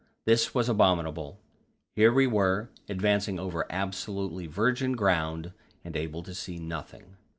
This was abominable; here we were, advancing over absolutely virgin ground, and able to see nothing.